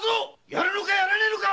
やるのかやらねえのか！